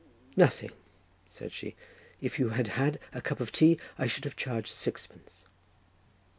"Nothing," said she; "if you had had a cup of tea I should have charged sixpence."